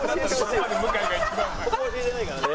ここ教えてないからね。